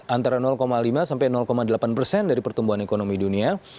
antara lima sampai delapan persen dari pertumbuhan ekonomi dunia